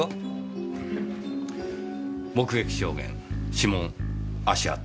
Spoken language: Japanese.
目撃証言指紋足跡